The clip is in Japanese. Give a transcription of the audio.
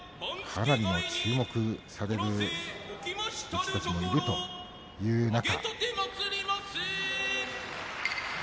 かなり注目される力士もいるという中。